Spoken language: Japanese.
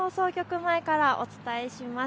前からお伝えします。